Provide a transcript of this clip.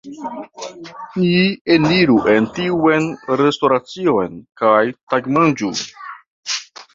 Ni eniru en tiun restoracion, kaj tagmanĝu.